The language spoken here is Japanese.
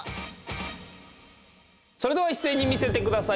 それではいっせいに見せてください。